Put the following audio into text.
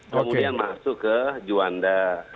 kemudian masuk ke juanda